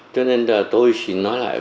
cho nên tôi xin nói lại